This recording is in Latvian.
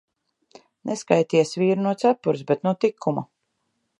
Neskaities vīru no cepures, bet no tikuma.